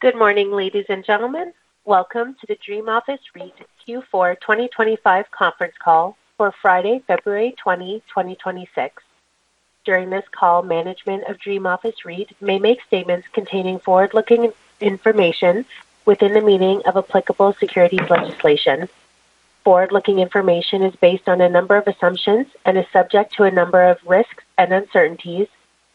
Good morning, ladies and gentlemen. Welcome to the Dream Office REIT Q4 2025 conference call for Friday, February 20, 2026. During this call, management of Dream Office REIT may make statements containing forward-looking information within the meaning of applicable securities legislation. Forward-looking information is based on a number of assumptions and is subject to a number of risks and uncertainties,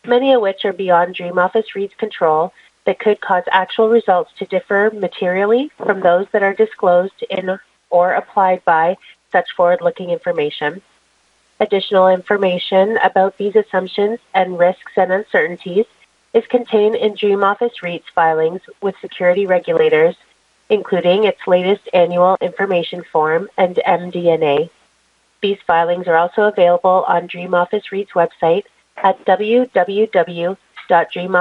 many of which are beyond Dream Office REIT's control, that could cause actual results to differ materially from those that are disclosed in or applied by such forward-looking information. Additional information about these assumptions and risks and uncertainties is contained in Dream Office REIT's filings with security regulators, including its latest annual information form and MD&A. These filings are also available on Dream Office REIT's website at www.dreamofficereit.ca. Later in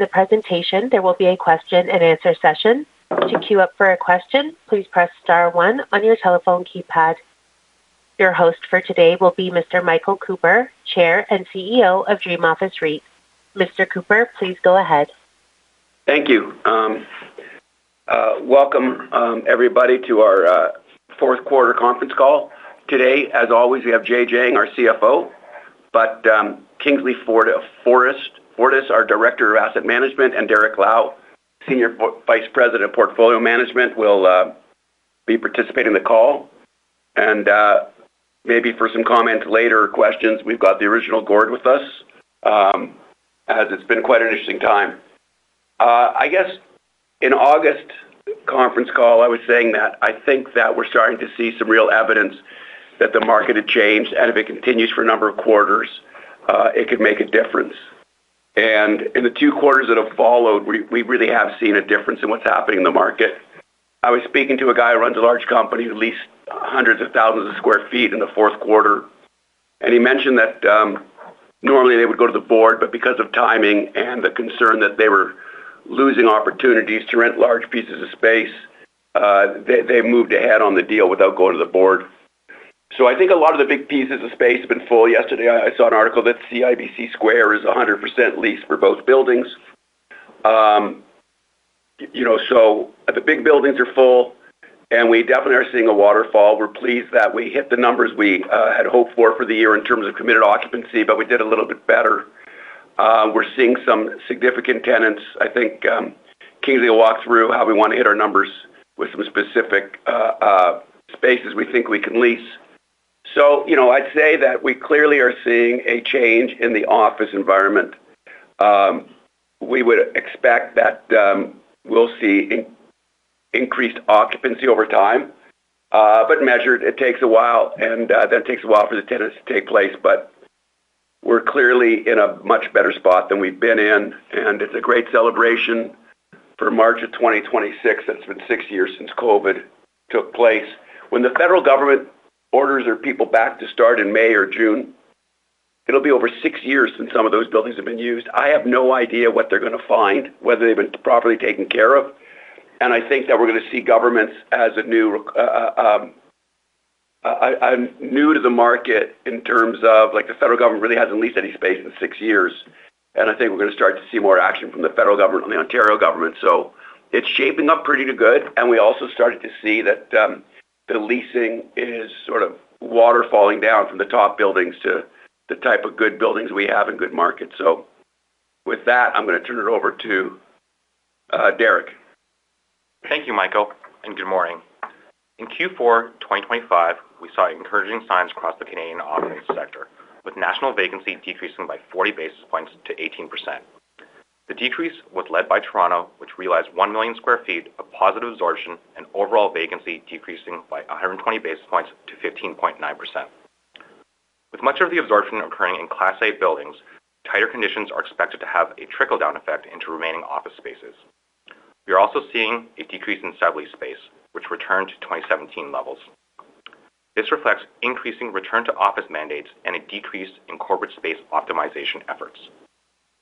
the presentation, there will be a question-and-answer session. To queue up for a question, please press star one on your telephone keypad. Your host for today will be Mr. Michael Cooper, Chair and CEO of Dream Office REIT. Mr. Cooper, please go ahead. Thank you. Welcome everybody to our Q4 conference call. Today, as always, we have Jay, our CFO, but Kingsley Fforis, our Director of Asset Management, and Derrick Lau, Senior Vice President of Portfolio Management, will be participating in the call. And maybe for some comments later or questions, we've got the original Gord with us, as it's been quite an interesting time. I guess in August conference call, I was saying that I think that we're starting to see some real evidence that the market had changed, and if it continues for a number of quarters, it could make a difference. And in the two quarters that have followed, we really have seen a difference in what's happening in the market. I was speaking to a guy who runs a large company, who leased hundreds of thousands of sq ft in the Q4, and he mentioned that normally they would go to the board, but because of timing and the concern that they were losing opportunities to rent large pieces of space, they moved ahead on the deal without going to the board. So I think a lot of the big pieces of space have been full. Yesterday, I saw an article that CIBC SQUARE is 100% leased for both buildings. You know, so the big buildings are full, and we definitely are seeing a waterfall. We're pleased that we hit the numbers we had hoped for for the year in terms of committed occupancy, but we did a little bit better. We're seeing some significant tenants. I think, Kingsley will walk through how we want to hit our numbers with some specific spaces we think we can lease. So, you know, I'd say that we clearly are seeing a change in the office environment. We would expect that, we'll see increased occupancy over time, but measured. It takes a while, and that takes a while for the tenants to take place, but we're clearly in a much better spot than we've been in, and it's a great celebration for March of 2026. It's been six years since COVID took place. When the federal government orders their people back to start in May or June, it'll be over six years since some of those buildings have been used. I have no idea what they're going to find, whether they've been properly taken care of. I think that we're going to see governments as a new. I, I'm new to the market in terms of, like, the federal government really hasn't leased any space in six years, and I think we're going to start to see more action from the federal government and the Ontario government. So it's shaping up pretty good, and we also started to see that the leasing is sort of water falling down from the top buildings to the type of good buildings we have in good markets. So with that, I'm going to turn it over to Derrick. Thank you, Michael, and good morning. In Q4 2025, we saw encouraging signs across the Canadian office sector, with national vacancy decreasing by 40 basis points to 18%. The decrease was led by Toronto, which realized one million sq ft of positive absorption and overall vacancy decreasing by 120 basis points to 15.9%. With much of the absorption occurring in Class A buildings, tighter conditions are expected to have a trickle-down effect into remaining office spaces. We are also seeing a decrease in sublease space, which returned to 2017 levels. This reflects increasing return to office mandates and a decrease in corporate space optimization efforts.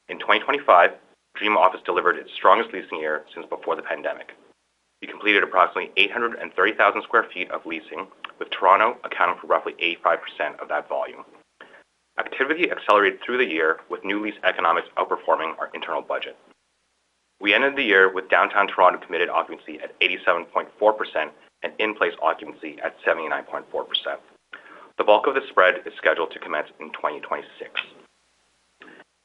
In 2025, Dream Office delivered its strongest leasing year since before the pandemic. We completed approximately 830,000 sq ft of leasing, with Toronto accounting for roughly 85% of that volume. Activity accelerated through the year, with new lease economics outperforming our internal budget. We ended the year with downtown Toronto committed occupancy at 87.4% and in-place occupancy at 79.4%. The bulk of the spread is scheduled to commence in 2026.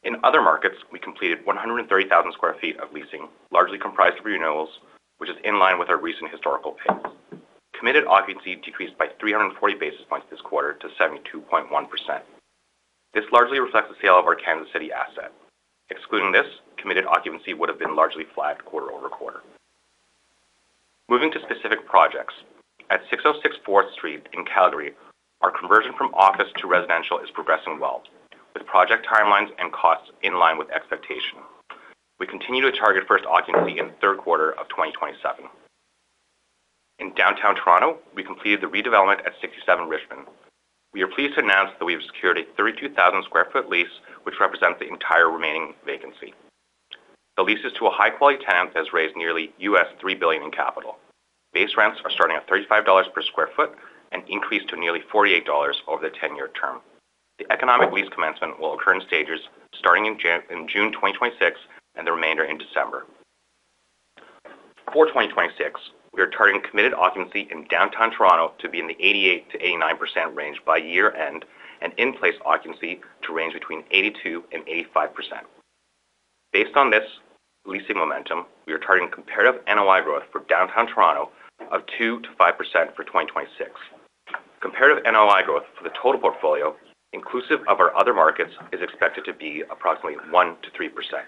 In other markets, we completed 130,000 sq ft of leasing, largely comprised of renewals, which is in line with our recent historical pace. Committed occupancy decreased by 340 basis points this quarter to 72.1%. This largely reflects the sale of our Kansas City asset. Excluding this, committed occupancy would have been largely flat quarter-over-quarter. Moving to specific projects. At 606 4th Street in Calgary, our conversion from office to residential is progressing well, with project timelines and costs in line with expectation. We continue to target first occupancy in the Q3 of 2027. In downtown Toronto, we completed the redevelopment at 67 Richmond. We are pleased to announce that we have secured a 32,000 sq ft lease, which represents the entire remaining vacancy. The lease is to a high-quality tenant that has raised nearly $3 billion in capital. Base rents are starting at CAD $35 per sq ft and increased to nearly CAD $48 over the 10 year term. The economic lease commencement will occur in stages, starting in June 2026, and the remainder in December. For 2026, we are targeting committed occupancy in downtown Toronto to be in the 88% - 89% range by year-end, and in-place occupancy to range between 82% - 85%. Based on this leasing momentum, we are targeting comparative NOI growth for downtown Toronto of 2% - 5% for 2026. Comparative NOI growth for the total portfolio, inclusive of our other markets, is expected to be approximately 1% - 3%.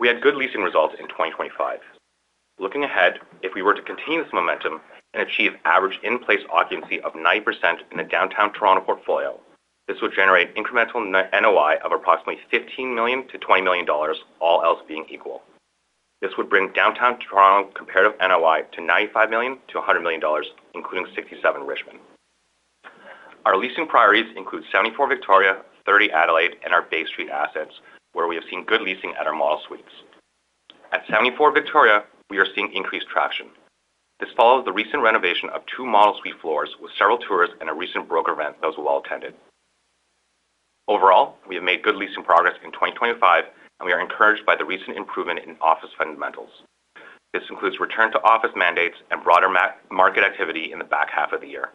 We had good leasing results in 2025. Looking ahead, if we were to continue this momentum and achieve average in-place occupancy of 90% in the downtown Toronto portfolio, this would generate incremental NOI of approximately 15 million - 20 million, all else being equal. This would bring downtown Toronto comparative NOI to 95 million - 100 million, including 67 Richmond. Our leasing priorities include 74 Victoria, 30 Adelaide, and our Bay Street assets, where we have seen good leasing at our model suites. At 74 Victoria, we are seeing increased traction. This follows the recent renovation of two model suite floors, with several tours and a recent broker event. Those were well-attended. Overall, we have made good leasing progress in 2025, and we are encouraged by the recent improvement in office fundamentals. This includes return to office mandates and broader market activity in the back half of the year.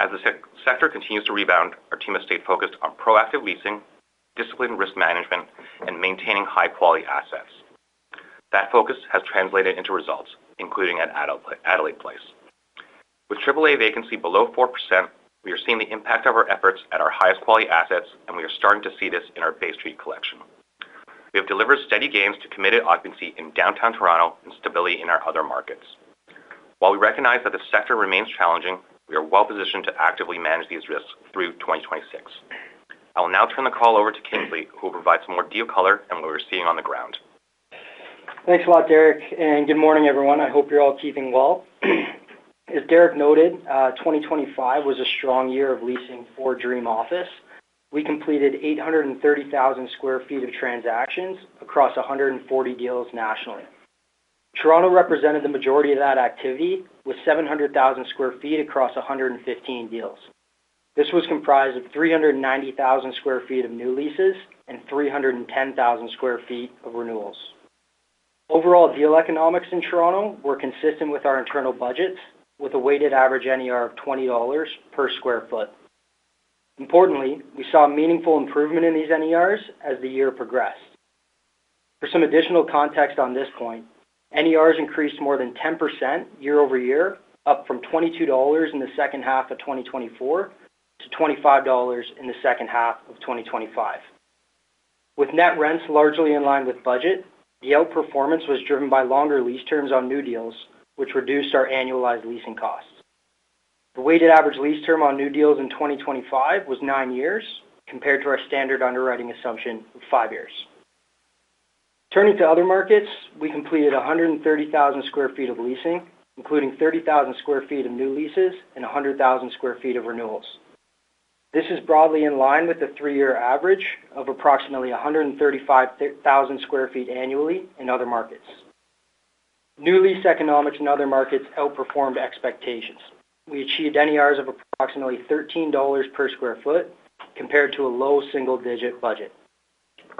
As the sector continues to rebound, our team has stayed focused on proactive leasing, disciplined risk management, and maintaining high-quality assets. That focus has translated into results, including at Adelaide Place. With AAA vacancy below 4%, we are seeing the impact of our efforts at our highest quality assets, and we are starting to see this in our Bay Street Collection. We have delivered steady gains to committed occupancy in downtown Toronto and stability in our other markets. While we recognize that the sector remains challenging, we are well-positioned to actively manage these risks through 2026. I will now turn the call over to Kingsley, who will provide some more deal color on what we're seeing on the ground. Thanks a lot, Derrick, and good morning, everyone. I hope you're all keeping well. As Derrick noted, 2025 was a strong year of leasing for Dream Office. We completed 830,000 sq ft of transactions across 140 deals nationally. Toronto represented the majority of that activity, with 700,000 sq ft across 115 deals. This was comprised of 390,000 sq ft of new leases and 310,000 sq ft of renewals. Overall, deal economics in Toronto were consistent with our internal budgets, with a weighted average NER of 20 dollars per sq ft. Importantly, we saw a meaningful improvement in these NERs as the year progressed. For some additional context on this point, NERs increased more than 10% year-over-year, up from 22 dollars in the second half of 2024 to 25 dollars in the second half of 2025. With net rents largely in line with budget, the outperformance was driven by longer lease terms on new deals, which reduced our annualized leasing costs. The weighted average lease term on new deals in 2025 was nine years, compared to our standard underwriting assumption of five years. Turning to other markets, we completed 130,000 sq ft of leasing, including 30,000 sq ft of new leases and 100,000 sq ft of renewals. This is broadly in line with the three-year average of approximately 135,000 sq ft annually in other markets. New lease economics in other markets outperformed expectations. We achieved NERs of approximately 13 dollars per sq ft, compared to a low single-digit budget.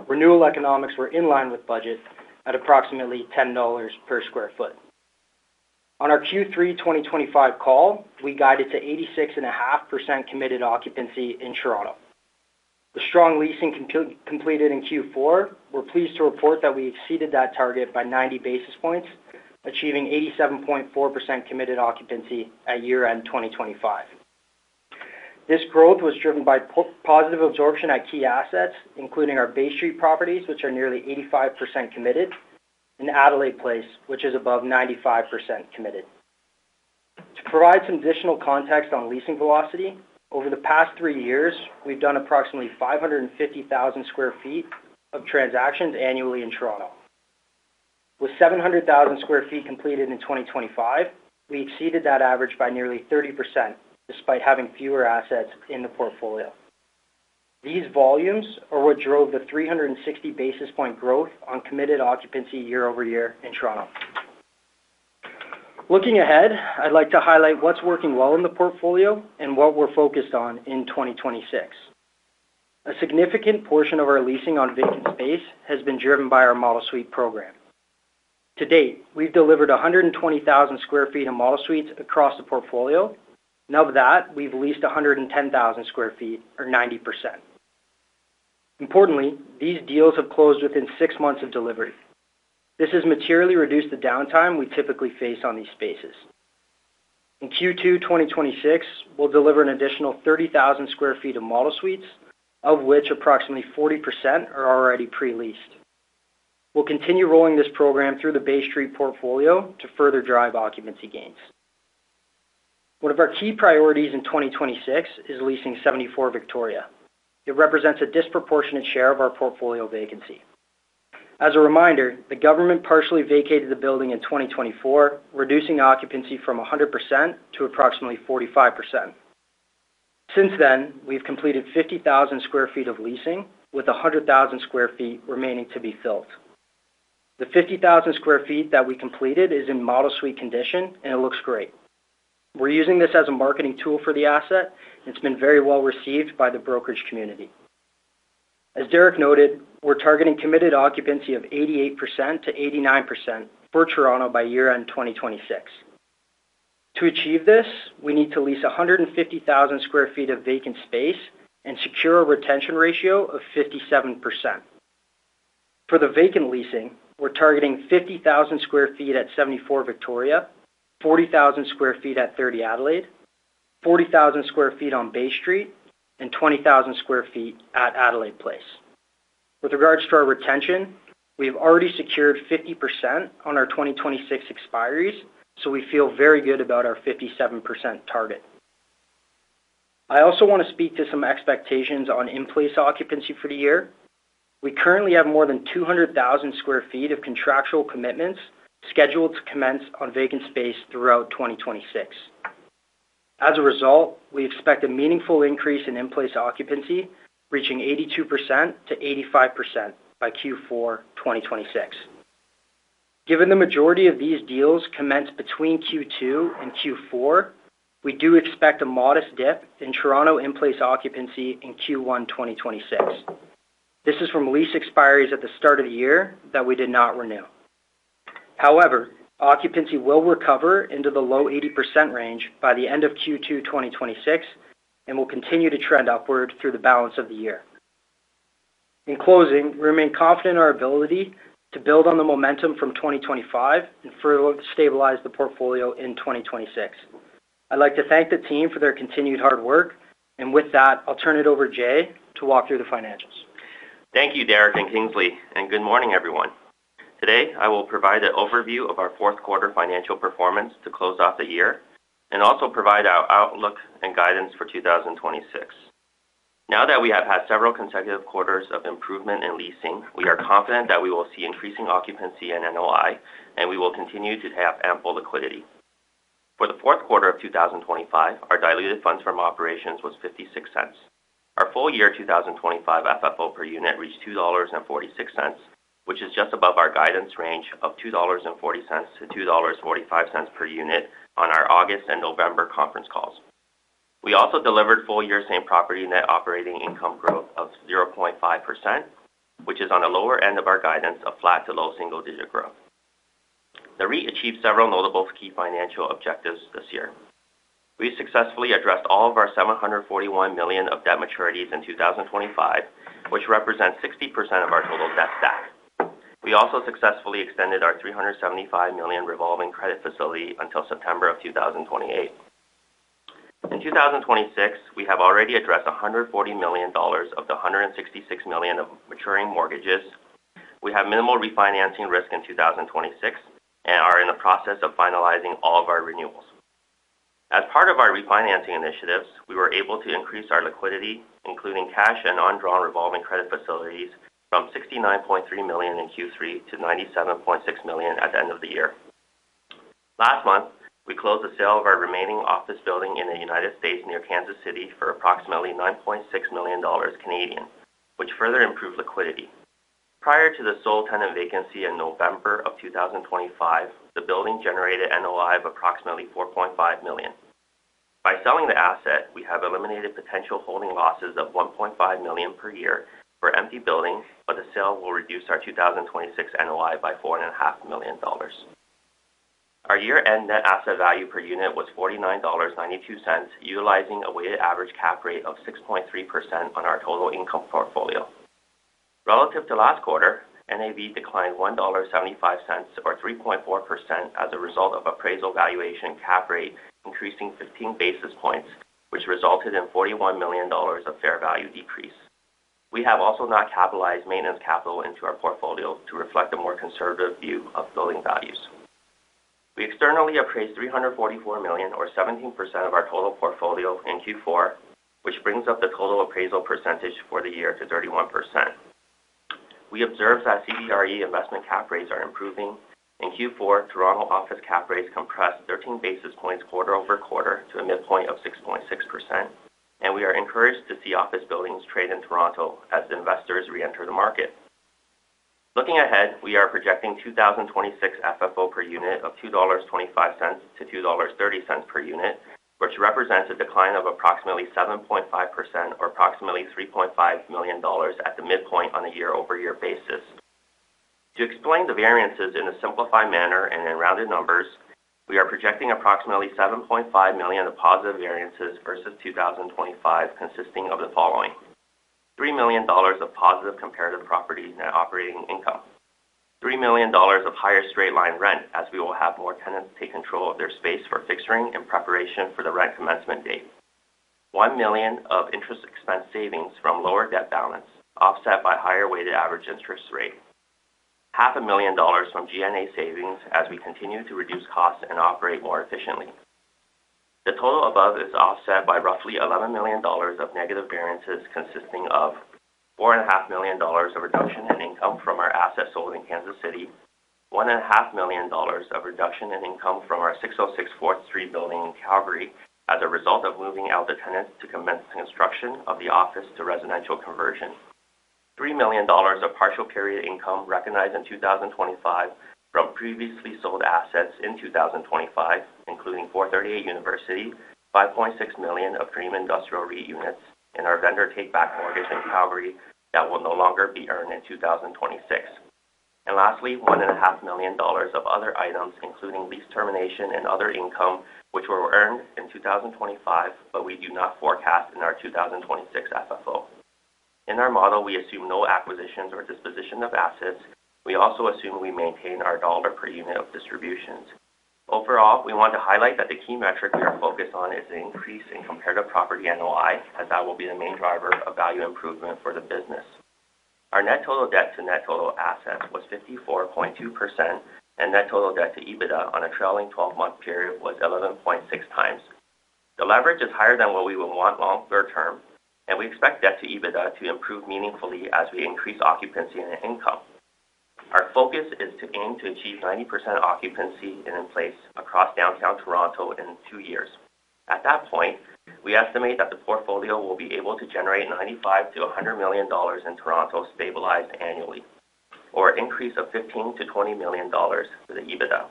Renewal economics were in line with budget at approximately 10 dollars per sq ft. On our Q3 2025 call, we guided to 86.5% committed occupancy in Toronto. The strong leasing completed in Q4, we're pleased to report that we exceeded that target by ninety basis points, achieving 87.4% committed occupancy at year-end 2025. This growth was driven by positive absorption at key assets, including our Bay Street properties, which are nearly 85% committed, and Adelaide Place, which is above 95% committed. To provide some additional context on leasing velocity, over the past three years, we've done approximately 550,000 sq ft of transactions annually in Toronto. With 700,000 sq ft completed in 2025, we exceeded that average by nearly 30%, despite having fewer assets in the portfolio. These volumes are what drove the 360 basis point growth on committed occupancy year over year in Toronto. Looking ahead, I'd like to highlight what's working well in the portfolio and what we're focused on in 2026. A significant portion of our leasing on vacant space has been driven by our model suite program. To date, we've delivered 120,000 sq ft of model suites across the portfolio, and of that, we've leased 110,000 sq ft, or 90%. Importantly, these deals have closed within six months of delivery. This has materially reduced the downtime we typically face on these spaces. In Q2 2026, we'll deliver an additional 30,000 sq ft of model suites, of which approximately 40% are already pre-leased. We'll continue rolling this program through the Bay Street portfolio to further drive occupancy gains. One of our key priorities in 2026 is leasing 74 Victoria. It represents a disproportionate share of our portfolio vacancy. As a reminder, the government partially vacated the building in 2024, reducing occupancy from 100% to approximately 45%. Since then, we've completed 50,000 sq ft of leasing, with 100,000 sq ft remaining to be filled. The 50,000 sq ft that we completed is in model suite condition, and it looks great. We're using this as a marketing tool for the asset, and it's been very well received by the brokerage community. As Derrick noted, we're targeting committed occupancy of 88% - 89% for Toronto by year-end 2026. To achieve this, we need to lease 150,000 sq ft of vacant space and secure a retention ratio of 57%. For the vacant leasing, we're targeting 50,000 sq ft at 74 Victoria, 40,000 sq ft at 30 Adelaide, 40,000 sq ft on Bay Street, and 20,000 sq ft at Adelaide Place. With regards to our retention, we have already secured 50% on our 2026 expiries, so we feel very good about our 57% target. I also want to speak to some expectations on in-place occupancy for the year. We currently have more than 200,000 sq ft of contractual commitments scheduled to commence on vacant space throughout 2026. As a result, we expect a meaningful increase in in-place occupancy, reaching 82% - 85% by Q4 2026. Given the majority of these deals commence between Q2 and Q4, we do expect a modest dip in Toronto in-place occupancy in Q1 2026. This is from lease expiries at the start of the year that we did not renew. However, occupancy will recover into the low 80% range by the end of Q2 2026 and will continue to trend upward through the balance of the year. In closing, we remain confident in our ability to build on the momentum from 2025 and further stabilize the portfolio in 2026. I'd like to thank the team for their continued hard work, and with that, I'll turn it over to Jay to walk through the financials. Thank you, Derrick and Kingsley, and good morning, everyone. Today, I will provide an overview of our Q4 financial performance to close off the year and also provide our outlook and guidance for 2026. Now that we have had several consecutive quarters of improvement in leasing, we are confident that we will see increasing occupancy in NOI, and we will continue to have ample liquidity. For the Q4 of 2025, our diluted funds from operations was 0.56. Our full year 2025 FFO per unit reached 2.46 dollars, which is just above our guidance range of 2.40-2.45 dollars per unit on our August and November conference calls. We also delivered full-year same-property net operating income growth of 0.5%, which is on the lower end of our guidance of flat to low single-digit growth. The REIT achieved several notable key financial objectives this year. We successfully addressed all of our 741 million of debt maturities in 2025, which represents 60% of our total debt stack. We also successfully extended our 375 million revolving credit facility until September 2028. In 2026, we have already addressed 140 million dollars of the 166 million of maturing mortgages. We have minimal refinancing risk in 2026 and are in the process of finalizing all of our renewals. As part of our refinancing initiatives, we were able to increase our liquidity, including cash and undrawn revolving credit facilities, from 69.3 million in Q3 to 97.6 million at the end of the year. Last month, we closed the sale of our remaining office building in the United States near Kansas City for approximately 9.6 million Canadian dollars, which further improved liquidity. Prior to the sole tenant vacancy in November 2025, the building generated NOI of approximately 4.5 million. By selling the asset, we have eliminated potential holding losses of 1.5 million per year for empty buildings, but the sale will reduce our 2026 NOI by 4.5 million dollars. Our year-end net asset value per unit was 49.92 dollars, utilizing a weighted average cap rate of 6.3% on our total income portfolio. Relative to last quarter, NAV declined 1.75 dollar, or 3.4%, as a result of appraisal valuation cap rate increasing 15 basis points, which resulted in 41 million dollars of fair value decrease. We have also not capitalized maintenance capital into our portfolio to reflect a more conservative view of building values. We externally appraised 344 million, or 17% of our total portfolio in Q4, which brings up the total appraisal percentage for the year to 31%. We observed that CBRE investment cap rates are improving. In Q4, Toronto office cap rates compressed 13 basis points quarter-over-quarter to a midpoint of 6.6%, and we are encouraged to see office buildings trade in Toronto as investors reenter the market. Looking ahead, we are projecting 2026 FFO per unit of 2.25-2.30 dollars per unit, which represents a decline of approximately 7.5% or approximately 3.5 million dollars at the midpoint on a year-over-year basis. To explain the variances in a simplified manner and in rounded numbers, we are projecting approximately 7.5 million of positive variances versus 2025, consisting of the following: 3 million dollars of positive comparative property net operating income, 3 million dollars of higher straight-line rent, as we will have more tenants take control of their space for fixturing in preparation for the rent commencement date. 1 million of interest expense savings from lower debt balance, offset by higher weighted average interest rate. 0.5 million dollars from G&A savings as we continue to reduce costs and operate more efficiently. The total above is offset by roughly 11 million dollars of negative variances, consisting of 4.5 million dollars of reduction in income from our assets sold in Kansas City, 1.5 million dollars of reduction in income from our 606 4th Street SW building in Calgary as a result of moving out the tenants to commence construction of the office-to-residential conversion. 3 million dollars of partial carry income recognized in 2025 from previously sold assets in 2025, including 438 University Avenue, 5.6 million of Dream Industrial REIT units, and our vendor take-back mortgage in Calgary that will no longer be earned in 2026. And lastly, 1.5 million dollars of other items, including lease termination and other income, which were earned in 2025, but we do not forecast in our 2026 FFO. In our model, we assume no acquisitions or disposition of assets. We also assume we maintain our dollar per unit of distributions. Overall, we want to highlight that the key metric we are focused on is an increase in comparative property NOI, as that will be the main driver of value improvement for the business. Our net total debt to net total assets was 54.2%, and net total debt to EBITDA on a trailing 12 month period was 11.6x. The leverage is higher than what we would want longer term, and we expect debt to EBITDA to improve meaningfully as we increase occupancy and income. Our focus is to aim to achieve 90% occupancy and in-place across downtown Toronto in two years. At that point, we estimate that the portfolio will be able to generate 95 million-100 million dollars in Toronto, stabilized annually, or increase of 15 million-20 million dollars for the EBITDA.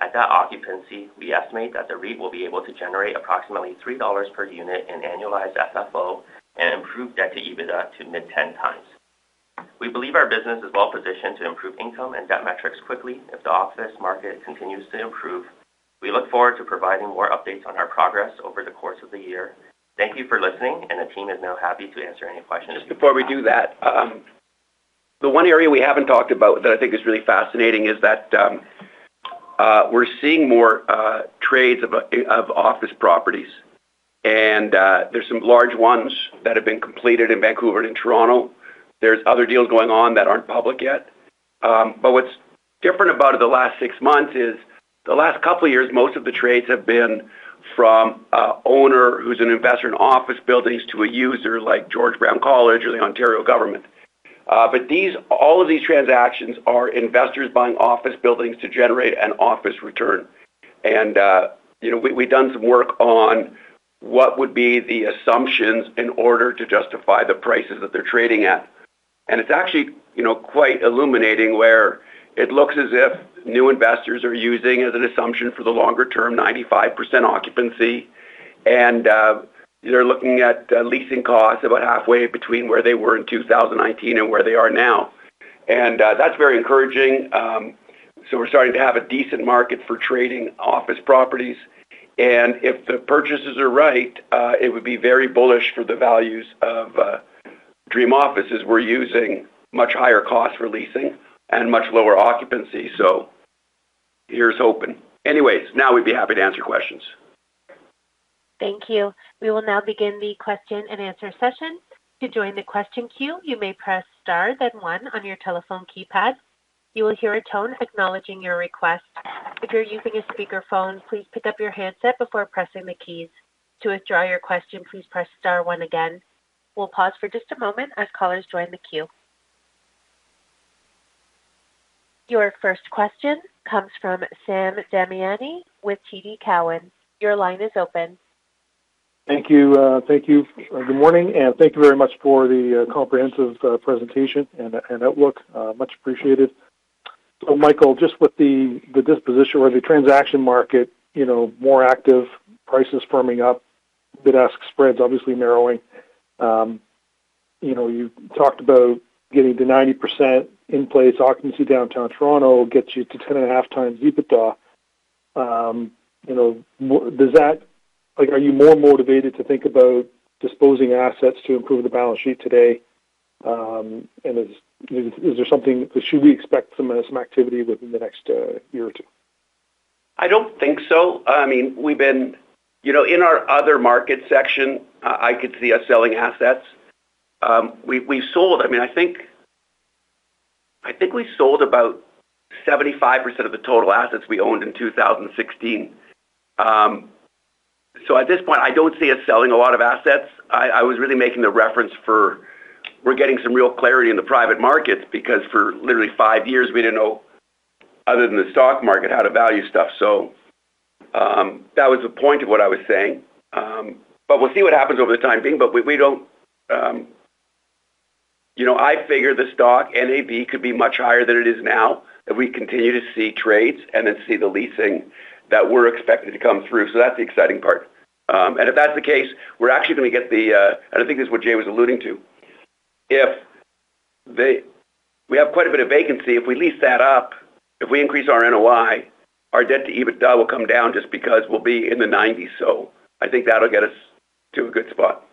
At that occupancy, we estimate that the REIT will be able to generate approximately 3 dollars per unit in annualized FFO and improve debt to EBITDA to mid-10 times. We believe our business is well positioned to improve income and debt metrics quickly if the office market continues to improve. We look forward to providing more updates on our progress over the course of the year. Thank you for listening, and the team is now happy to answer any questions. Just before we do that, the one area we haven't talked about that I think is really fascinating is that, we're seeing more trades of office properties, and, there's some large ones that have been completed in Vancouver and in Toronto. There's other deals going on that aren't public yet. But what's different about it the last six months is, the last couple of years, most of the trades have been from owner who's an investor in office buildings to a user like George Brown College or the Ontario government. But all of these transactions are investors buying office buildings to generate an office return. And, you know, we've done some work on what would be the assumptions in order to justify the prices that they're trading at. It's actually, you know, quite illuminating, where it looks as if new investors are using as an assumption for the longer term, 95% occupancy. They're looking at leasing costs about halfway between where they were in 2019 and where they are now. That's very encouraging. So we're starting to have a decent market for trading office properties, and if the purchases are right, it would be very bullish for the values of Dream Office's. We're using much higher costs for leasing and much lower occupancy, so here's hoping. Anyways, now we'd be happy to answer your questions. Thank you. We will now begin the question-and-answer session. To join the question queue, you may press Star, then One on your telephone keypad. You will hear a tone acknowledging your request. If you're using a speakerphone, please pick up your handset before pressing the keys. To withdraw your question, please press Star one again. We'll pause for just a moment as callers join the queue. Your first question comes from Sam Damiani with TD Cowen. Your line is open. Thank you. Thank you. Good morning, and thank you very much for the comprehensive presentation and outlook. Much appreciated. So, Michael, just with the disposition or the transaction market, you know, more active prices firming up, bid-ask spreads, obviously narrowing. You know, you talked about getting to 90% in-place occupancy downtown Toronto gets you to 10.5 times EBITDA. You know, does that. Like, are you more motivated to think about disposing assets to improve the balance sheet today? And is there something-- should we expect some activity within the next year or two? I don't think so. I mean, we've been. You know, in our other market section, I could see us selling assets. We've sold - I mean, I think we sold about 75% of the total assets we owned in 2016. So at this point, I don't see us selling a lot of assets. I was really making the reference for we're getting some real clarity in the private markets, because for literally five years, we didn't know, other than the stock market, how to value stuff. So, that was the point of what I was saying. But we'll see what happens over the time being, but we don't. You know, I figure the stock NAV could be much higher than it is now, if we continue to see trades and then see the leasing that we're expecting to come through. So that's the exciting part. And if that's the case, we're actually going to get the, and I think this is what Jay was alluding to. If we have quite a bit of vacancy. If we lease that up, if we increase our NOI, our debt to EBITDA will come down just because we'll be in the nineties. So I think that'll get us to a good spot.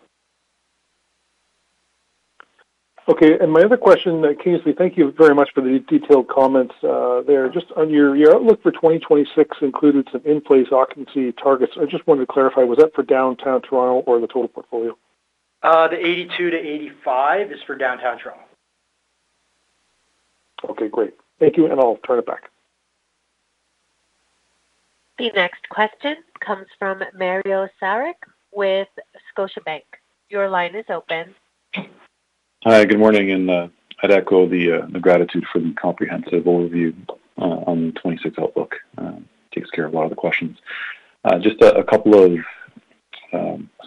Okay, and my other question, Kingsley, thank you very much for the detailed comments there. Just on your, your outlook for 2026 included some In-Place Occupancy targets. I just wanted to clarify, was that for downtown Toronto or the total portfolio? The 82-85 is for downtown Toronto. Okay, great. Thank you, and I'll turn it back. The next question comes from Mario Saric with Scotiabank. Your line is open. Hi, good morning, and I'd echo the gratitude for the comprehensive overview on the 2026 outlook. It takes care of a lot of the questions. Just a couple of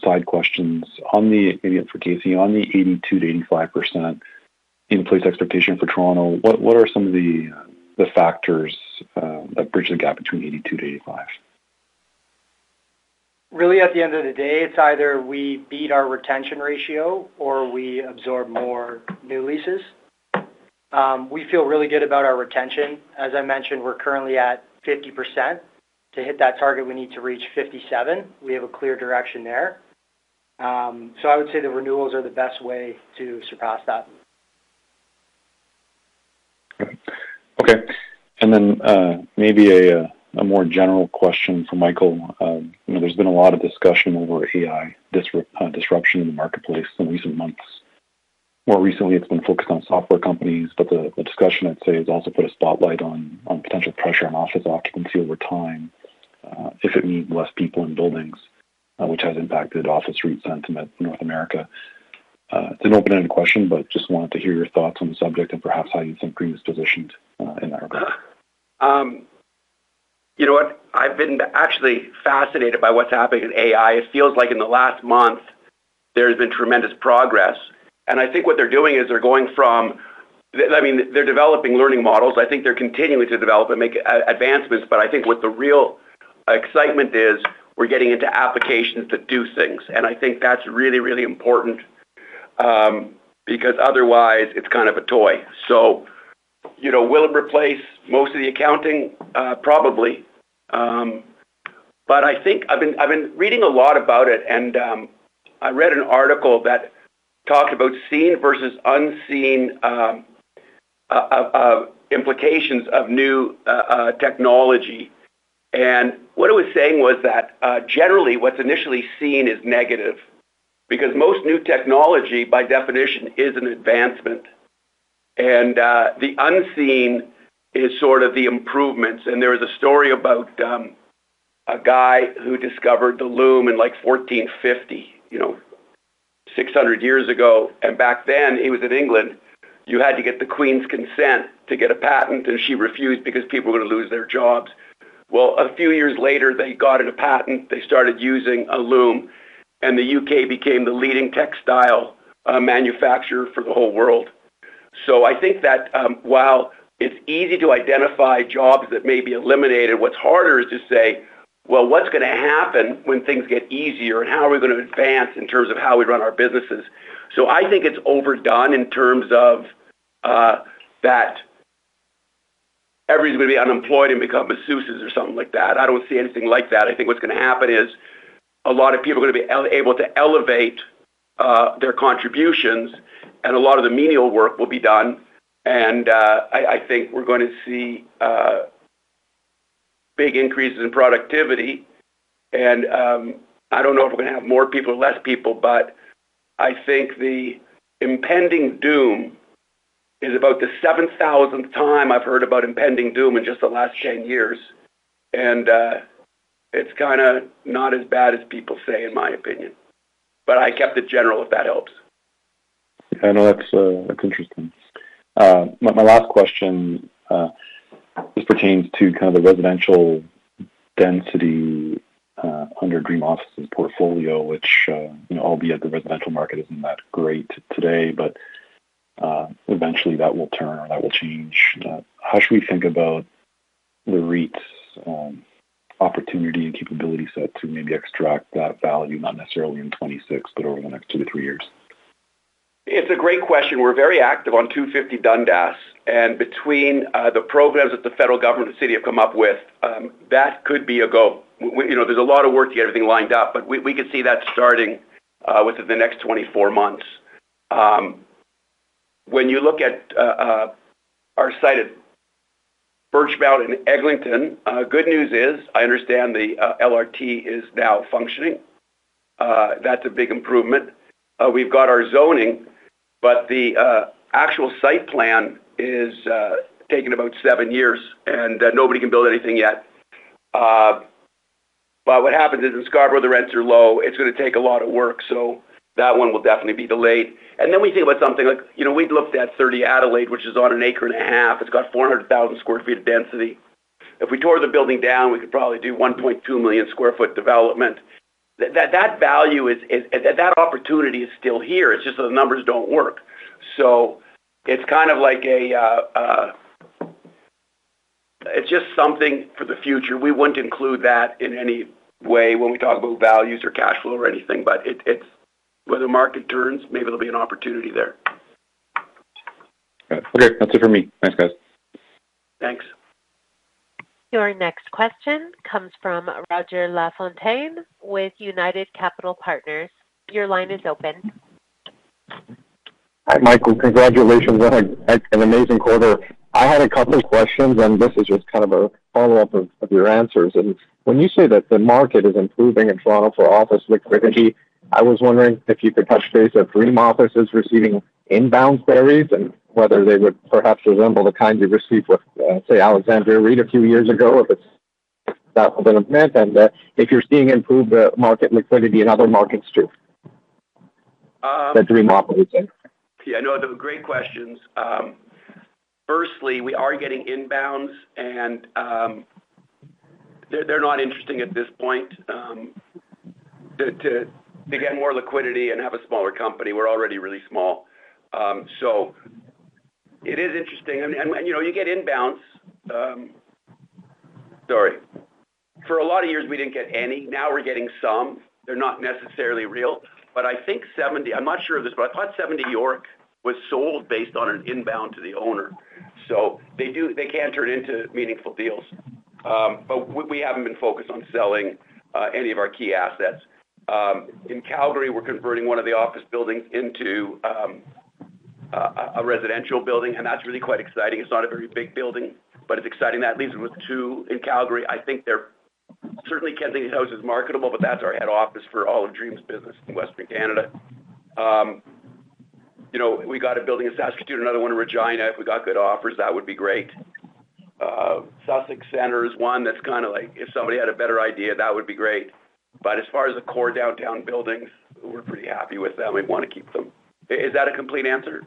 side questions. On the, maybe for Kingsley, on the 82% - 85% in-place expectation for Toronto, what are some of the factors that bridge the gap between 82% - 85%? Really, at the end of the day, it's either we beat our retention ratio or we absorb more new leases. We feel really good about our retention. As I mentioned, we're currently at 50%. To hit that target, we need to reach 57%. We have a clear direction there. So I would say the renewals are the best way to surpass that. Okay. And then, maybe a more general question for Michael. You know, there's been a lot of discussion over AI disruption in the marketplace in recent months. More recently, it's been focused on software companies, but the discussion, I'd say, has also put a spotlight on potential pressure on office occupancy over time, if it means less people in buildings, which has impacted office rent sentiment in North America. It's an open-ended question, but just wanted to hear your thoughts on the subject and perhaps how you think Dream is positioned in that regard. You know what? I've been actually fascinated by what's happening in AI. It feels like in the last month, there's been tremendous progress, and I think what they're doing is, I mean, they're developing learning models. I think they're continuing to develop and make advancements, but I think what the real excitement is, we're getting into applications that do things, and I think that's really, really important, because otherwise, it's kind of a toy. So, you know, will it replace most of the accounting? Probably. But I think I've been reading a lot about it, and I read an article that talked about seen versus unseen implications of new technology. And what it was saying was that, generally, what's initially seen is negative because most new technology, by definition, is an advancement. The unseen is sort of the improvements. There was a story about a guy who discovered the loom in, like, 1450, you know, 600 years ago, and back then, he was in England. You had to get the Queen's consent to get a patent, and she refused because people were going to lose their jobs. Well, a few years later, they got it a patent. They started using a loom, and the UK became the leading textile manufacturer for the whole world. So I think that while it's easy to identify jobs that may be eliminated, what's harder is to say, well, what's going to happen when things get easier, and how are we going to advance in terms of how we run our businesses? So I think it's overdone in terms of that everybody's going to be unemployed and become masseuses or something like that. I don't see anything like that. I think what's going to happen is a lot of people are going to be able to elevate their contributions, and a lot of the menial work will be done. And I think we're going to see big increases in productivity. And I don't know if we're going to have more people or less people, but I think the impending doom is about the seventh thousandth time I've heard about impending doom in just the last 10 years. And it's kinda not as bad as people say, in my opinion, but I kept it general, if that helps. Yeah, no, that's, that's interesting. My last question, this pertains to kind of the residential density under Dream Office's portfolio, which, you know, albeit the residential market isn't that great today, but, eventually, that will turn or that will change. How should we think about the REIT's opportunity and capability set to maybe extract that value, not necessarily in 2026, but over the next two three years? It's a great question. We're very active on 250 Dundas, and between the programs that the federal government and city have come up with, that could be a go. You know, there's a lot of work to get everything lined up, but we could see that starting within the next 24 months. When you look at our site at Birchmount and Eglinton, good news is, I understand the LRT is now functioning. That's a big improvement. We've got our zoning, but the actual site plan is taking about seven years, and nobody can build anything yet. But what happens is, in Scarborough, the rents are low. It's going to take a lot of work, so that one will definitely be delayed. And then we think about something like. You know, we'd looked at 30 Adelaide, which is on 1.5 acres. It's got 400,000 sq ft of density. If we tore the building down, we could probably do 1.2 million sq ft development. That value is, that opportunity is still here, it's just that the numbers don't work. So it's kind of like a, it's just something for the future. We wouldn't include that in any way when we talk about values or cash flow or anything, but it, it's, when the market turns, maybe there'll be an opportunity there. Okay. That's it for me. Thanks, guys. Thanks. Your next question comes from Roger Lafontaine with United Capital Partners. Your line is open. Hi, Michael. Congratulations on an amazing quarter. I had a couple of questions, and this is just kind of a follow-up of your answers. And when you say that the market is improving in Toronto for office liquidity. I was wondering if you could touch base if Dream Office is receiving inbound queries and whether they would perhaps resemble the kind you received with, say, Alexandria REIT a few years ago, if it's that intense, and if you're seeing improved market liquidity in other markets too. The Dream Office? Yeah, no, those are great questions. Firstly, we are getting inbounds and they're not interesting at this point to get more liquidity and have a smaller company. We're already really small. So it is interesting and you know you get inbounds. Sorry. For a lot of years, we didn't get any. Now we're getting some. They're not necessarily real, but I think 70, I'm not sure of this, but I thought 70 York was sold based on an inbound to the owner. So they do. They can turn into meaningful deals. But we haven't been focused on selling any of our key assets. In Calgary, we're converting one of the office buildings into a residential building, and that's really quite exciting. It's not a very big building, but it's exciting. That leaves us with two in Calgary. I think they're certainly Kensington House is marketable, but that's our head office for all of Dream's business in Western Canada. You know, we got a building in Saskatoon, another one in Regina. If we got good offers, that would be great. Sussex Centre is one that's kind of like, if somebody had a better idea, that would be great. But as far as the core downtown buildings, we're pretty happy with them. We want to keep them. Is that a complete answer?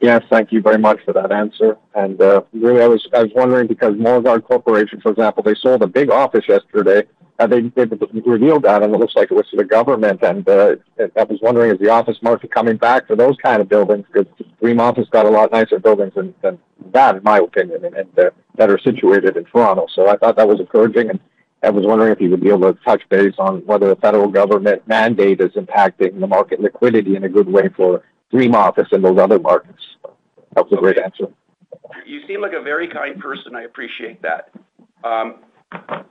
Yes. Thank you very much for that answer. Really, I was wondering, because Morguard Corporation, for example, they sold a big office yesterday, and they revealed that, and it looks like it was to the government. I was wondering, is the office market coming back for those kind of buildings? Because Dream Office got a lot nicer buildings than that, in my opinion, and that are situated in Toronto. So I thought that was encouraging, and I was wondering if you would be able to touch base on whether the federal government mandate is impacting the market liquidity in a good way for Dream Office in those other markets. That was a great answer. You seem like a very kind person. I appreciate that. I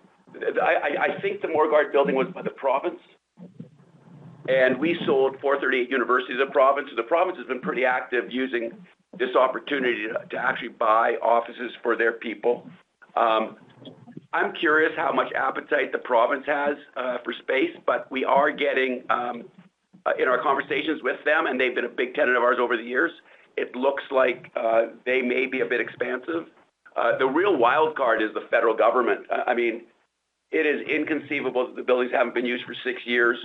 think the Morguard building was by the province, and we sold 438 University Avenue to the province. So the province has been pretty active using this opportunity to actually buy offices for their people. I'm curious how much appetite the province has for space, but we are getting in our conversations with them, and they've been a big tenant of ours over the years. It looks like they may be a bit expansive. The real wild card is the federal government. I mean, it is inconceivable that the buildings haven't been used for six years.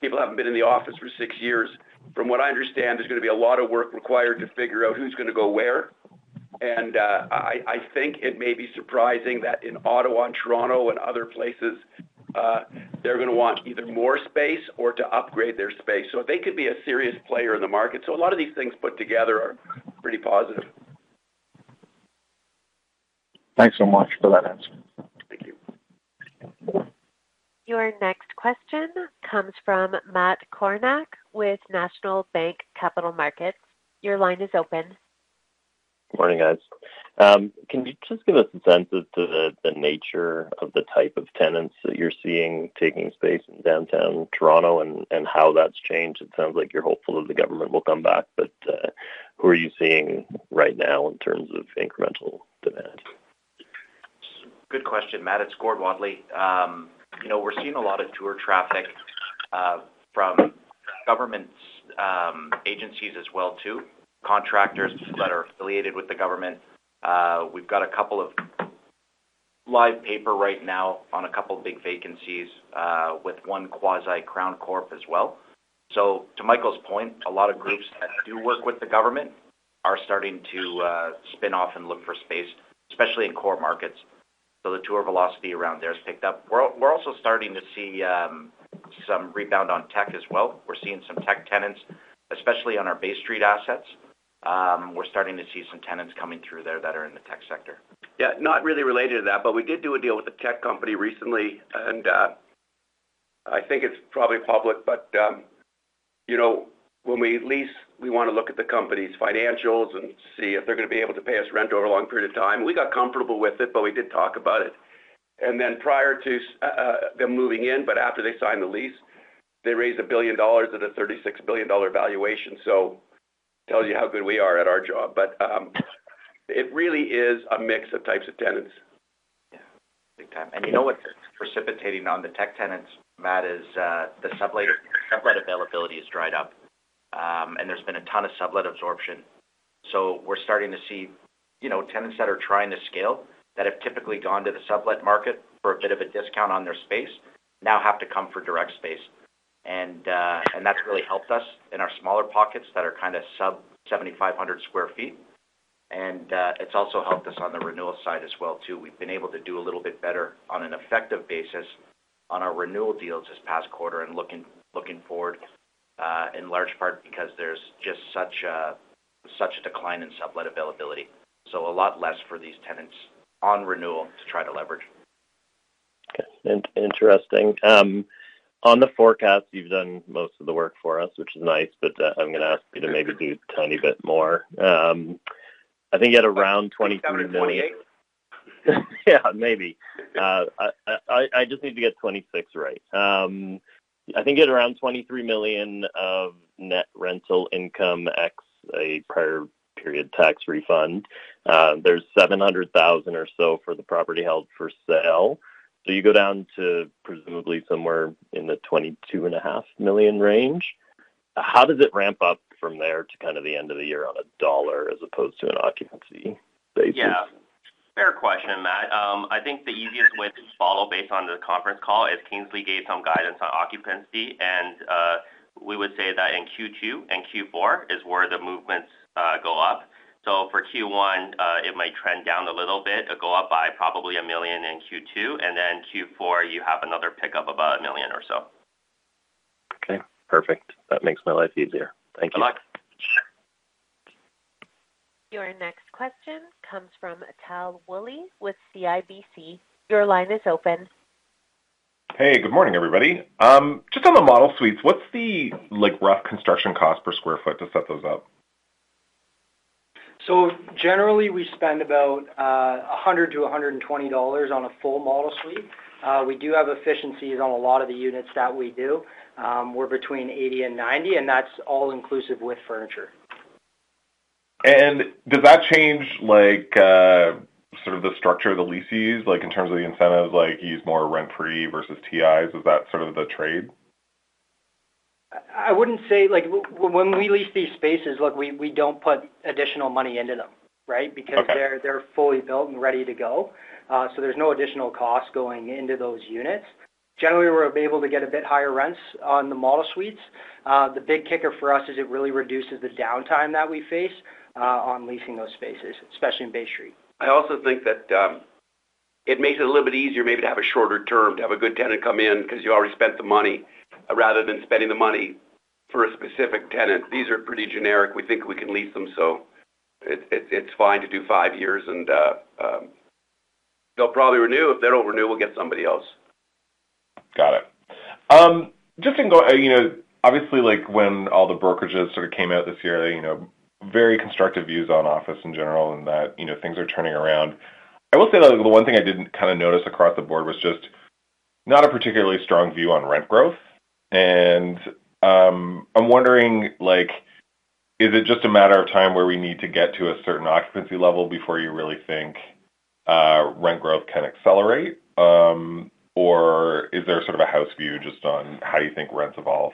People haven't been in the office for six years. From what I understand, there's going to be a lot of work required to figure out who's going to go where. I think it may be surprising that in Ottawa and Toronto and other places, they're going to want either more space or to upgrade their space, so they could be a serious player in the market. A lot of these things put together are pretty positive. Thanks so much for that answer. Thank you. Your next question comes from Matt Kornack with National Bank Capital Markets. Your line is open. Morning, guys. Can you just give us a sense of the nature of the type of tenants that you're seeing taking space in downtown Toronto and how that's changed? It sounds like you're hopeful that the government will come back, but who are you seeing right now in terms of incremental demand? Good question, Matt. It's Gordon Wadley. You know, we're seeing a lot of tour traffic from government agencies as well, too, contractors that are affiliated with the government. We've got a couple of live paper right now on a couple of big vacancies with one quasi-crown corp as well. So to Michael's point, a lot of groups that do work with the government are starting to spin off and look for space, especially in core markets. So the tour velocity around there has picked up. We're also starting to see some rebound on tech as well. We're seeing some tech tenants, especially on our Bay Street assets. We're starting to see some tenants coming through there that are in the tech sector. Yeah, not really related to that, but we did do a deal with a tech company recently, and, I think it's probably public, but, you know, when we lease, we want to look at the company's financials and see if they're going to be able to pay us rent over a long period of time. We got comfortable with it, but we did talk about it. And then prior to, them moving in, but after they signed the lease, they raised $1 billion at a $36 billion valuation. So tells you how good we are at our job. But, it really is a mix of types of tenants. Yeah, big time. And you know, what's precipitating on the tech tenants, Matt, is the sublet availability has dried up. And there's been a ton of sublet absorption. So we're starting to see, you know, tenants that are trying to scale, that have typically gone to the sublet market for a bit of a discount on their space, now have to come for direct space. And that's really helped us in our smaller pockets that are kind of sub 7,500 sq ft. And it's also helped us on the renewal side as well, too. We've been able to do a little bit better on an effective basis on our renewal deals this past quarter and looking forward in large part because there's just such a decline in sublet availability. A lot less for these tenants on renewal to try to leverage. Okay. Interesting. On the forecast, you've done most of the work for us, which is nice, but I'm going to ask you to maybe do a tiny bit more. I think you had around 23 million- Twenty-eight. Yeah, maybe. I just need to get 26 right. I think you had around 23 million of net rental income ex a prior period tax refund. There's 700,000 or so for the property held for sale. So you go down to presumably somewhere in the 22.5 million range. How does it ramp up from there to kind of the end of the year on a dollar as opposed to an occupancy basis? Yeah, fair question, Matt. I think the easiest way to follow based on the conference call is Kingsley gave some guidance on occupancy, and we would say that in Q2 and Q4 is where the movements go up. So for Q1, it might trend down a little bit, but go up by probably one million in Q2, and then Q4, you have another pickup of about one million or so. Okay, perfect. That makes my life easier. Thank you. Good luck. Your next question comes from Tal Woolley with CIBC. Your line is open. Hey, good morning, everybody. Just on the model suites, what's the, like, rough construction cost per sq ft to set those up? Generally, we spend about 100-120 dollars on a full model suite. We do have efficiencies on a lot of the units that we do. We're between 80 and 90, and that's all inclusive with furniture. Does that change, like, sort of the structure of the leases, like, in terms of the incentives, like, use more rent-free versus TIs? Is that sort of the trade? I wouldn't say. Like, when we lease these spaces, look, we don't put additional money into them, right? Okay. Because they're fully built and ready to go. So there's no additional cost going into those units. Generally, we're able to get a bit higher rents on the model suites. The big kicker for us is it really reduces the downtime that we face on leasing those spaces, especially in Bay Street. I also think that it makes it a little bit easier maybe to have a shorter term, to have a good tenant come in because you already spent the money, rather than spending the money for a specific tenant. These are pretty generic. We think we can lease them, so it's fine to do five years, and they'll probably renew. If they don't renew, we'll get somebody else. Got it. You know, obviously, like, when all the brokerages sort of came out this year, you know, very constructive views on office in general and that, you know, things are turning around. I will say, though, the one thing I didn't kind of notice across the board was just not a particularly strong view on rent growth. And, I'm wondering, like, is it just a matter of time where we need to get to a certain occupancy level before you really think rent growth can accelerate? Or is there sort of a house view just on how you think rents evolve?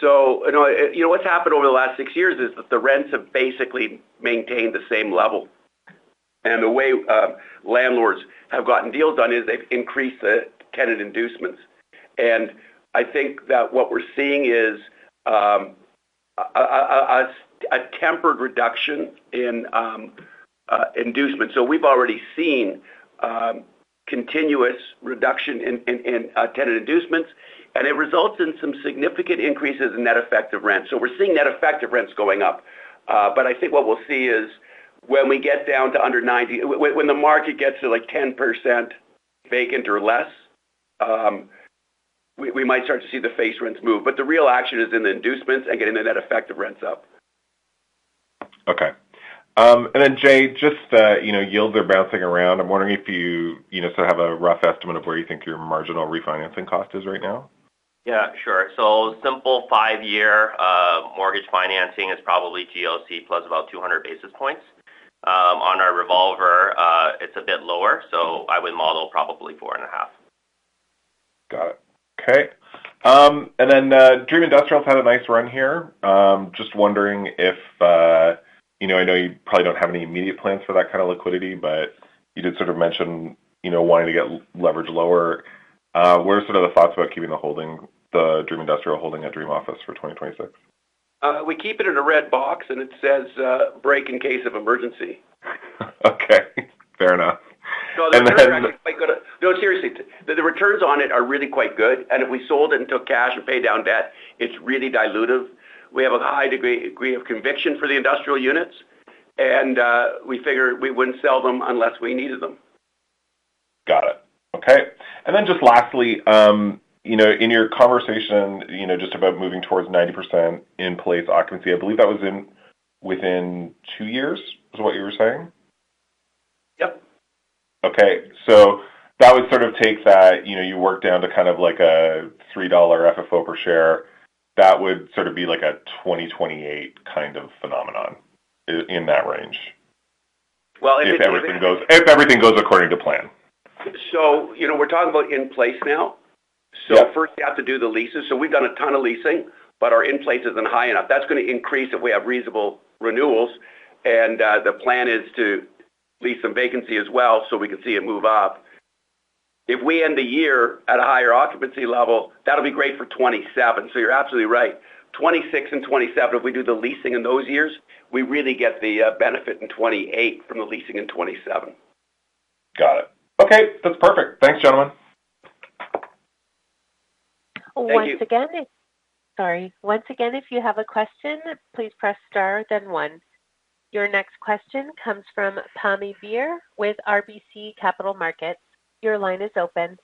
So, you know, you know, what's happened over the last six years is that the rents have basically maintained the same level. And the way, landlords have gotten deals done is they've increased the tenant inducements. And I think that what we're seeing is a tempered reduction in inducement. So we've already seen continuous reduction in tenant inducements, and it results in some significant increases in net effective rent. So we're seeing net effective rents going up. But I think what we'll see is when the market gets to, like, 10% vacant or less, we might start to see the face rents move. But the real action is in the inducements and getting the net effective rents up. Okay. And then, Jay, just that, you know, yields are bouncing around. I'm wondering if you, you know, sort of have a rough estimate of where you think your marginal refinancing cost is right now. Yeah, sure. So simple five-year mortgage financing is probably GOC plus about 200 basis points. On our revolver, it's a bit lower, so I would model probably 4.5. Got it. Okay. And then, Dream Industrial's had a nice run here. Just wondering if, you know, I know you probably don't have any immediate plans for that kind of liquidity, but you did sort of mention, you know, wanting to get leverage lower. What are sort of the thoughts about keeping the holding, the Dream Industrial holding at Dream Office for 2026? We keep it in a red box, and it says, "Break in case of emergency. Okay, fair enough. And then- So the returns are actually quite good. No, seriously, the returns on it are really quite good, and if we sold it and took cash and paid down debt, it's really dilutive. We have a high degree of conviction for the industrial units, and we figured we wouldn't sell them unless we needed them. Got it. Okay. And then just lastly, you know, in your conversation, you know, just about moving towards 90% in-place occupancy, I believe that was in within two years, is what you were saying? Yep. Okay. So that would sort of take that, you know, you work down to kind of like a 3 dollar FFO per share. That would sort of be like a 2028 kind of phenomenon in that range. Well, if everything- If everything goes, if everything goes according to plan. You know, we're talking about in place now. Yeah. So first, you have to do the leases. So we've done a ton of leasing, but our in place isn't high enough. That's going to increase if we have reasonable renewals, and the plan is to lease some vacancy as well, so we can see it move up. If we end the year at a higher occupancy level, that'll be great for 2027. So you're absolutely right. 2026 and 2027, if we do the leasing in those years, we really get the benefit in 2028 from the leasing in 2027. Got it. Okay, that's perfect. Thanks, gentlemen. Once again- Thank you. Sorry. Once again, if you have a question, please press Star, then one. Your next question comes from Pammi Bir with RBC Capital Markets. Your line is open.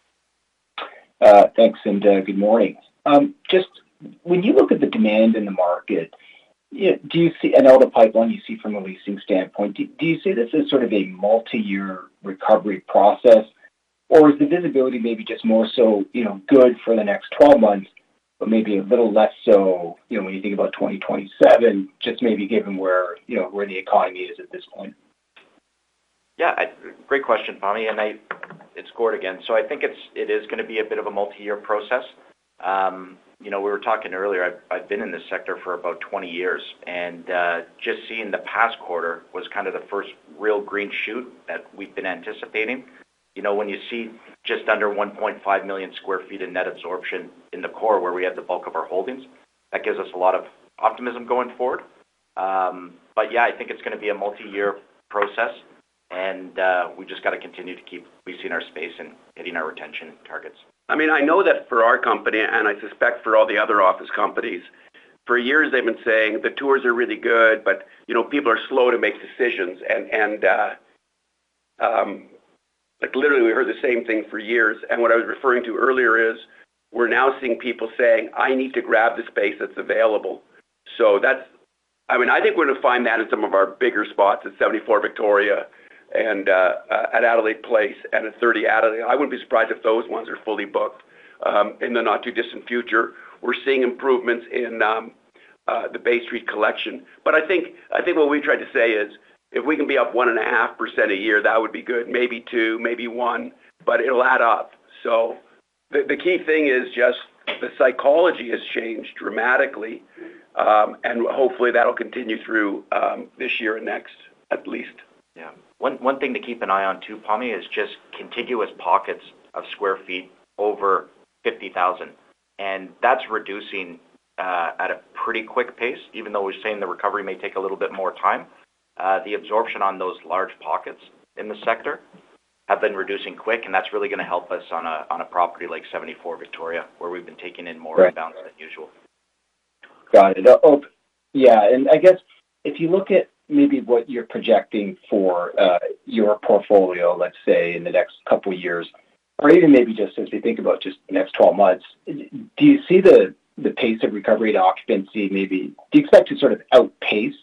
Thanks, and good morning. Just when you look at the demand in the market, do you see, I know the pipeline you see from a leasing standpoint, do you see this as sort of a multi-year recovery process, or is the visibility maybe just more so, you know, good for the next 12 months, but maybe a little less so, you know, when you think about 2027, just maybe given where, you know, where the economy is at this point? Yeah, great question, Tommy, and it's soured again. So I think it's, it is gonna be a bit of a multi-year process. You know, we were talking earlier, I've been in this sector for about 20 years, and just seeing the past quarter was kind of the first real green shoot that we've been anticipating. You know, when you see just under 1.5 million sq ft of net absorption in the core, where we have the bulk of our holdings, that gives us a lot of optimism going forward. But yeah, I think it's gonna be a multi-year process, and we just got to continue to keep leasing our space and hitting our retention targets. I mean, I know that for our company, and I suspect for all the other office companies, for years they've been saying the tours are really good, but, you know, people are slow to make decisions. Like, literally, we heard the same thing for years. And what I was referring to earlier is, we're now seeing people saying, "I need to grab the space that's available." So that's. I mean, I think we're going to find that in some of our bigger spots at 74 Victoria and at Adelaide Place and at 30 Adelaide. I wouldn't be surprised if those ones are fully booked in the not-too-distant future. We're seeing improvements in the Bay Street Collection. But I think, I think what we tried to say is, if we can be up 1.5% a year, that would be good. Maybe 2%, maybe 1%, but it'll add up. So the key thing is just the psychology has changed dramatically, and hopefully, that'll continue through this year and next, at least. Yeah. One thing to keep an eye on too, Tommy, is just contiguous pockets of sq ft over 50,000, and that's reducing at a pretty quick pace, even though we're saying the recovery may take a little bit more time. The absorption on those large pockets in the sector have been reducing quick, and that's really going to help us on a property like 74 Victoria, where we've been taking in more- Right -inbounds than usual. Got it. Oh, yeah, and I guess if you look at maybe what you're projecting for your portfolio, let's say, in the next couple of years, or even maybe just as we think about just the next 12 months, do you see the pace of recovery to occupancy, maybe do you expect to sort of outpace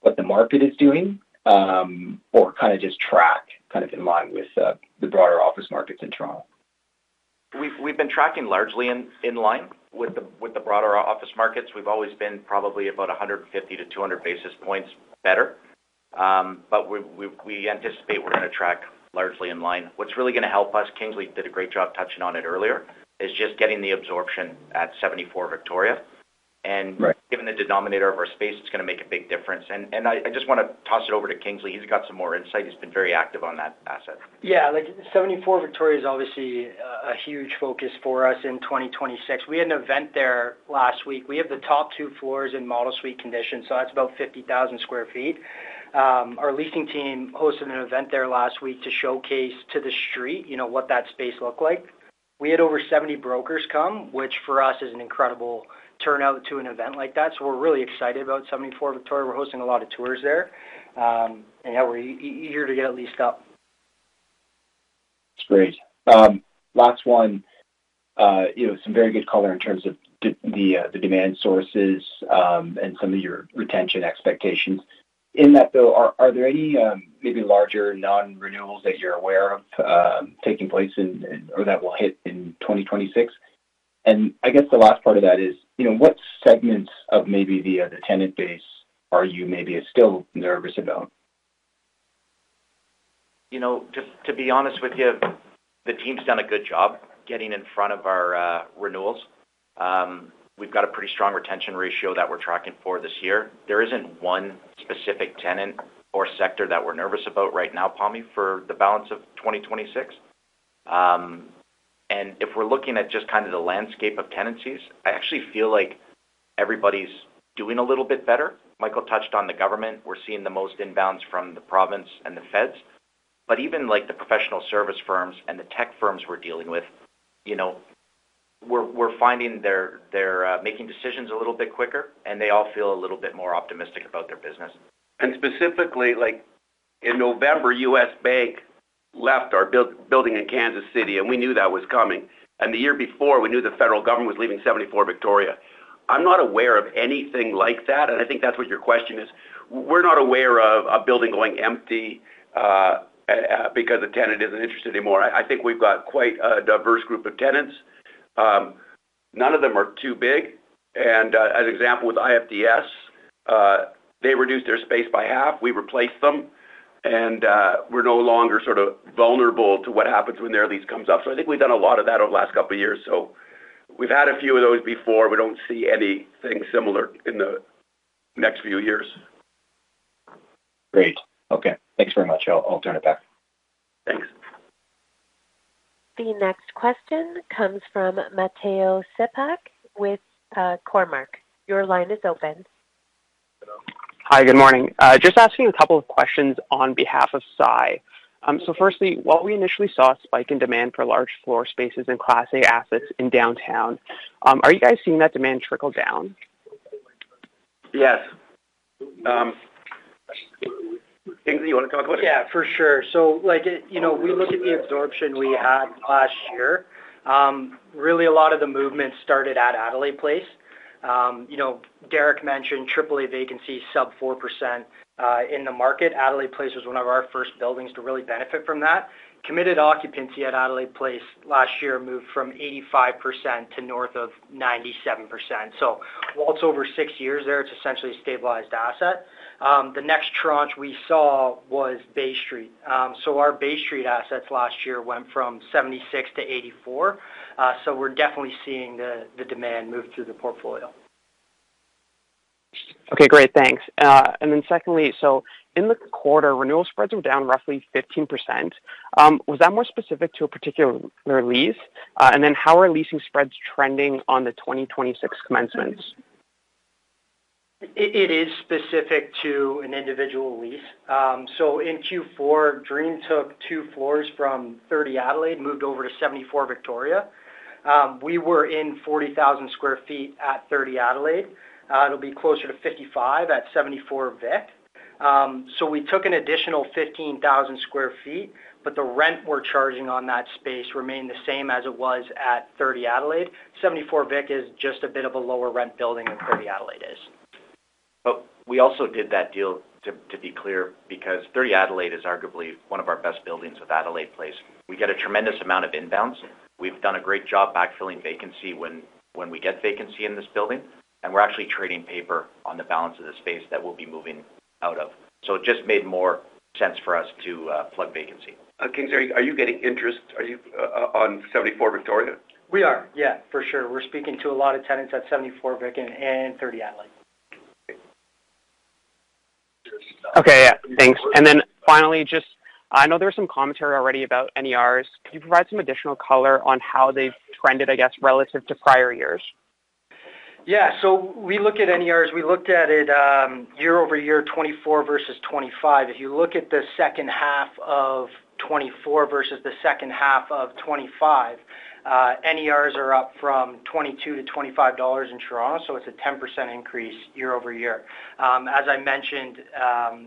what the market is doing, or kind of just track, kind of in line with the broader office markets in Toronto? We've been tracking largely in line with the broader office markets. We've always been probably about 150-200 basis points better. But we anticipate we're going to track largely in line. What's really going to help us, Kingsley did a great job touching on it earlier, is just getting the absorption at 74 Victoria. Right. And given the denominator of our space, it's going to make a big difference. And I just want to toss it over to Kingsley. He's got some more insight. He's been very active on that asset. Yeah, like, 74 Victoria is obviously a huge focus for us in 2026. We had an event there last week. We have the top two floors in model suite conditions, so that's about 50,000 sq ft. Our leasing team hosted an event there last week to showcase to the street, you know, what that space looked like. We had over 70 brokers come, which for us is an incredible turnout to an event like that. So we're really excited about 74 Victoria. We're hosting a lot of tours there. And yeah, we're eager to get at least up. That's great. Last one, you know, some very good color in terms of the, the, the demand sources, and some of your retention expectations. In that, though, are, are there any, maybe larger non-renewals that you're aware of, taking place in, or that will hit in 2026? And I guess the last part of that is, you know, what segments of maybe the, the tenant base are you maybe still nervous about? You know, just to be honest with you, the team's done a good job getting in front of our renewals. We've got a pretty strong retention ratio that we're tracking for this year. There isn't one specific tenant or sector that we're nervous about right now, Tommy, for the balance of 2026. And if we're looking at just kind of the landscape of tenancies, I actually feel like everybody's doing a little bit better. Michael touched on the government. We're seeing the most inbounds from the province and the feds, but even, like, the professional service firms and the tech firms we're dealing with, you know, we're finding they're making decisions a little bit quicker, and they all feel a little bit more optimistic about their business. Specifically, like, in November, US Bank left our building in Kansas City, and we knew that was coming. The year before, we knew the federal government was leaving 74 Victoria. I'm not aware of anything like that, and I think that's what your question is. We're not aware of a building going empty because a tenant isn't interested anymore. I think we've got quite a diverse group of tenants. None of them are too big, and, as example, with IFDS, they reduced their space by half. We replaced them, and we're no longer sort of vulnerable to what happens when their lease comes up. So I think we've done a lot of that over the last couple of years. So we've had a few of those before. We don't see anything similar in the next few years. Great. Okay. Thanks very much. I'll turn it back. Thanks. The next question comes from Mateo Sepak with Cormark. Your line is open. Hello. Hi, good morning. Just asking a couple of questions on behalf of Sai. So firstly, what we initially saw a spike in demand for large floor spaces and Class A assets in downtown, are you guys seeing that demand trickle down? Yes. Kingsley, you want to talk about it? Yeah, for sure. So, like, you know, we look at the absorption we had last year, really a lot of the movement started at Adelaide Place. You know, Derrick mentioned triple A vacancy, sub 4%, in the market. Adelaide Place was one of our first buildings to really benefit from that. Committed occupancy at Adelaide Place last year moved from 85% to north of 97%. So while it's over six years there, it's essentially a stabilized asset. The next tranche we saw was Bay Street. So our Bay Street assets last year went from 76 to 84. So we're definitely seeing the, the demand move through the portfolio. Okay, great. Thanks. And then secondly, so in the quarter, renewal spreads were down roughly 15%. Was that more specific to a particular lease? And then how are leasing spreads trending on the 2026 commencements? It is specific to an individual lease. So in Q4, Dream took two floors from 30 Adelaide, moved over to 74 Victoria. We were in 40,000 sq ft at 30 Adelaide. It'll be closer to 55,000 sq ft at 74 Vic. So we took an additional 15,000 sq ft, but the rent we're charging on that space remained the same as it was at 30 Adelaide. 74 Vic is just a bit of a lower rent building than 30 Adelaide is. But we also did that deal, to be clear, because 30 Adelaide is arguably one of our best buildings with Adelaide Place. We get a tremendous amount of inbounds. We've done a great job backfilling vacancy when we get vacancy in this building, and we're actually trading paper on the balance of the space that we'll be moving out of. So it just made more sense for us to plug vacancy. Okay. Are you getting interest? Are you on 74 Victoria? We are, yeah, for sure. We're speaking to a lot of tenants at 74 Vic and 30 Adelaide. Okay, yeah. Thanks. Then finally, just I know there was some commentary already about NER. Can you provide some additional color on how they've trended, I guess, relative to prior years? Yeah. So we look at NER as we looked at it, year-over-year, 2024 versus 2025. If you look at the second half of 2024 versus the second half of 2025, NERs are up from 22-25 dollars in Toronto, so it's a 10% increase year-over-year. As I mentioned,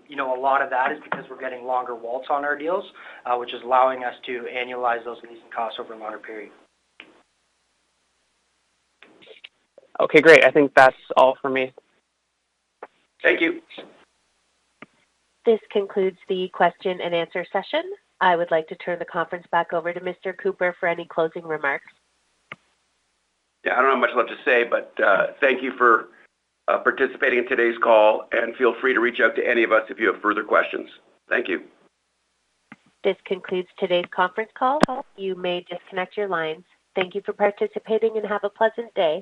you know, a lot of that is because we're getting longer WALTs on our deals, which is allowing us to annualize those leasing costs over a longer period. Okay, great. I think that's all for me. Thank you. This concludes the question and answer session. I would like to turn the conference back over to Mr. Cooper for any closing remarks. Yeah, I don't have much left to say, but thank you for participating in today's call, and feel free to reach out to any of us if you have further questions. Thank you. This concludes today's conference call. You may disconnect your lines. Thank you for participating, and have a pleasant day.